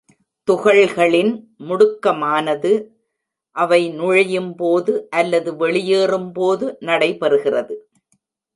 துகள்களின் முடுக்கமானது அவை நுழையும் போது அல்லது வெளியேறும்போது நடைபெறுகிறது.